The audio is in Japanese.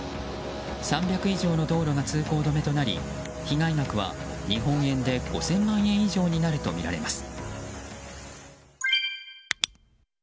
３００以上の道路が通行止めとなり、被害額は日本円で５０００万円以上になるとみられます。